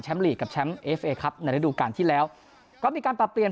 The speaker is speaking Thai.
ลีกกับแชมป์เอฟเอครับในระดูการที่แล้วก็มีการปรับเปลี่ยน